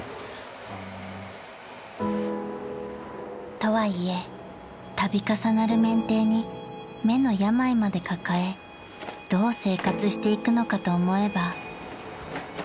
［とはいえ度重なる免停に目の病まで抱えどう生活していくのかと思えば］